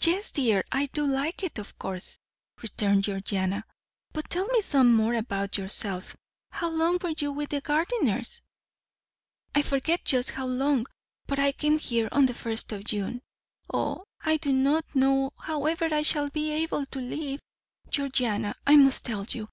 "Yes, dear, I do like it, of course," returned Georgiana; "but tell me some more about yourself. How long were you with the Gardiners?" "I forget just how long, but I came here on the first of June. Oh, I do not know how ever I shall be able to leave! Georgiana, I must tell you!